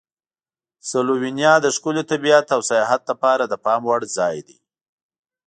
سلووینیا د ښکلي طبیعت او سیاحت لپاره د پام وړ ځای دی.